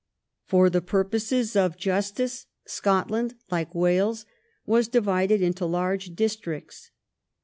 For the purposes of justice Scotland, like Wales, was divided into large districts.